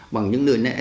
bằng những nơi nãy